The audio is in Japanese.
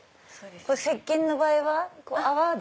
せっけんの場合は泡で？